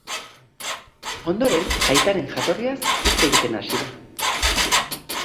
Ondoren, aitaren jatorriaz hitz egiten hasi da.